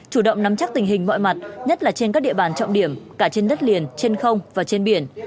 chủ động nắm chắc tình hình mọi mặt nhất là trên các địa bàn trọng điểm cả trên đất liền trên không và trên biển